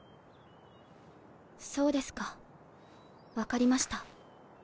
そうですか分かりました。